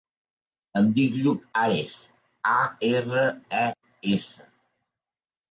Em dic Lluc Ares: a, erra, e, essa.